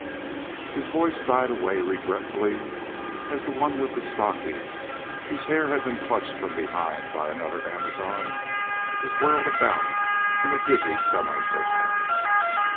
His voice died away regretfully, as the one with the stocking, whose hair had been clutched from behind by another Amazon, was whirled about in a dizzy semicircle.